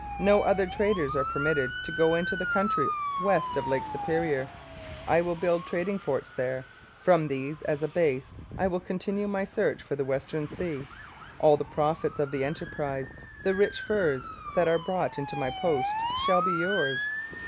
No other traders are permitted to go into the country west of Lake Superior. I will build trading forts there. From these as a base I will continue my search for the Western Sea. All the profits of the enterprise, the rich furs that are brought into my posts, shall be yours.'